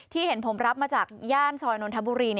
ที่เห็นผมรับมาจากย่านซอยนอนธับบุรี